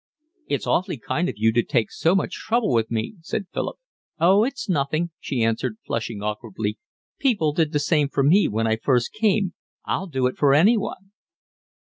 "It's awfully kind of you to take so much trouble with me," said Philip. "Oh, it's nothing," she answered, flushing awkwardly. "People did the same for me when I first came, I'd do it for anyone."